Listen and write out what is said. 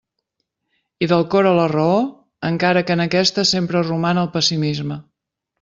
I del cor a la raó, encara que en aquesta sempre roman el pessimisme.